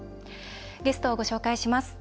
ゲストをご紹介します。